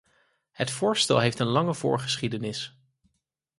Het voorstel heeft een lange voorgeschiedenis.